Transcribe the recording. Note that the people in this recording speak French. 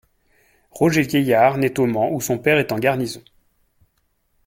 Roger Vieillard naît au Mans où son père est en garnison.